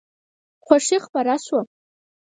خوښي خپره شوه.